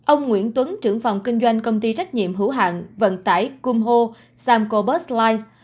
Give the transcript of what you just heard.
ông nguyễn tuấn trưởng phòng kinh doanh công ty trách nhiệm hữu hạng vận tải cung ho samcobus light